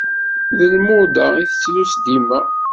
D lmuḍa i tettlus dima.